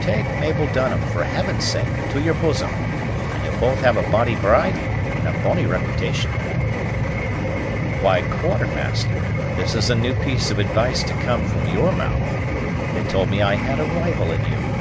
Take Mabel Dunham, for Heaven's sake, to your bosom, and ye'll have both a bonnie bride and a bonnie reputation." "Why, Quartermaster, this is a new piece of advice to come from your mouth. They've told me I had a rival in you."